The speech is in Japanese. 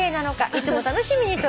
いつも楽しみにしております」